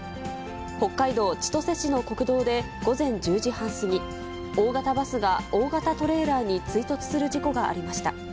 北海道千歳市の国道で午前１０時半過ぎ、大型バスが大型トレーラーに追突する事故がありました。